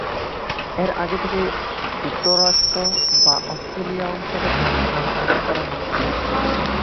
এর আগে থেকেই যুক্তরাষ্ট্র বা অস্ট্রেলিয়া অঞ্চলে ঝড়ের নামকরণ করা হতো।